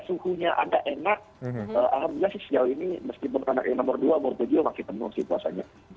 menurut gue dia masih tenur sih puasanya